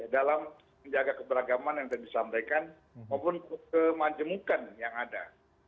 dalam menjaga keberagaman yang tadi disampaikan maupun kemanjemukan yang ada